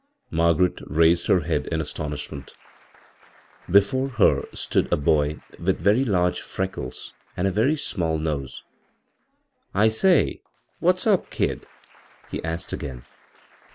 Margaret raised her head in astxmishnieDt Before her stood a boy with very large freckles and a very small nose. " I say, whaf s up, kid 7 " he asked again.